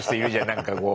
何かこう。